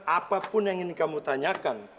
apapun yang ingin kamu tanyakan